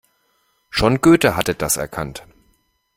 Schon Goethe hatte das erkannt.